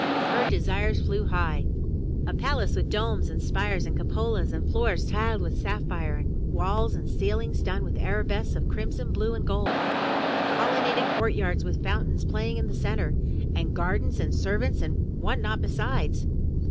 her desires flew high — a palace with domes and spires and cupolas, and floors tiled with sapphire, and walls and ceil ings done with arabesques of crimson, blue and gold; colonnaded courtyards with fountains playing in the centre, and gardens and servants and what not besides!